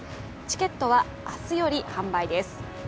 チケットは、明日より販売です。